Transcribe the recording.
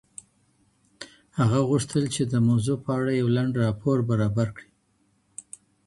هغه غوښتل چي د موضوع په اړه یو لنډ راپور برابر کړي.